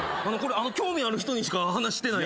興味ある人にしか話してない。